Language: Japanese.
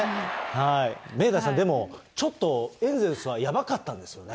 明大さん、でも、ちょっとエンゼルスはやばかったんですよね。